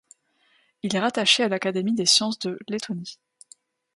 Il est rattaché à l'Académie des sciences de Lettonie.